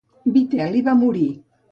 Vitel·li va morir.